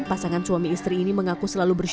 pasangan suami istri ini mengaku selalu bersyuku